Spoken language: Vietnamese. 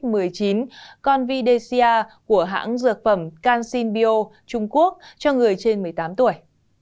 covid một mươi chín convidesia của hãng dược phẩm canxin bio trung quốc cho người trên một mươi tám tuổi